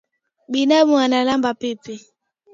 Binamu analamba pipi.